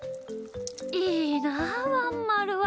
いいなあワンまるは。